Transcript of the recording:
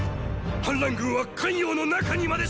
反乱軍は咸陽の中にまで侵入！